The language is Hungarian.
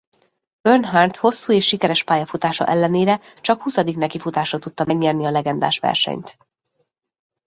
Earnhardt hosszú és sikeres pályafutása ellenére csak huszadik nekifutásra tudta megnyerni a legendás versenyt.